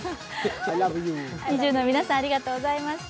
ＮｉｚｉＵの皆さんありがとうございました。